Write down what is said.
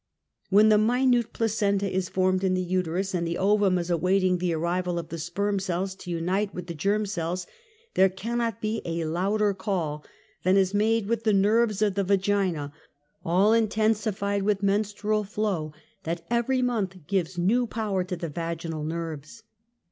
When the minute placenta is formed in the uterus and the ovum awaiting the arrival of the sperm cells to unite with the germ cells, there cannot be a louder call than is made with the nerves of the^ / vagina, all intensified with menstrual flow that every ! month gives new power to the vaginal nerves.